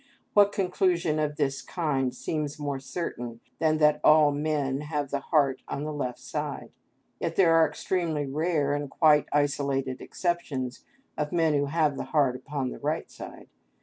What conclusion of this kind seems more certain than that all men have the heart on the left side? Yet there are extremely rare and quite isolated exceptions of men who have the heart upon the right side.